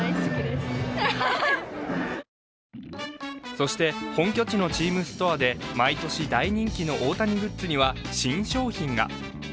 そして本拠地のチームストアで毎年、大人気の大谷グッズには新商品が。